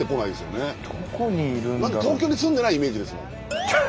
東京に住んでないイメージですもん。